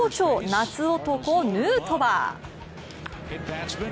夏男・ヌートバー。